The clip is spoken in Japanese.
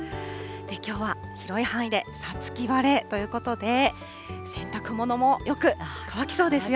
きょうは広い範囲で五月晴れということで、洗濯物もよく乾きそうですよ。